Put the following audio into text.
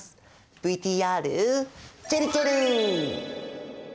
ＶＴＲちぇるちぇる。